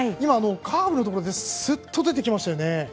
カーブのところですっと出てきましたね。